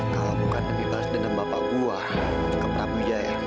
kau bukan lebih bahas dendam bapak gua ke prabu jaya